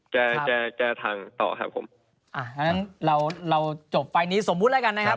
แก้แก้แก้ทางต่อครับผมอ่างั้นเราเราจบไฟล์นี้สมมุติแล้วกันนะครับ